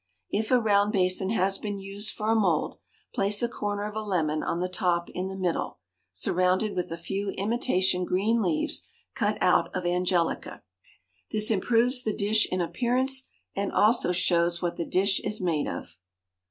If a round basin has been used for a mould, place a corner of a lemon on the top in the middle, surrounded with a few imitation green leaves cut out of angelica. This improves the dish in appearance and also shows what the dish is made of.